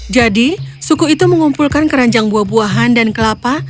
jadi suku itu mengumpulkan keranjang buah buahan dan kelapa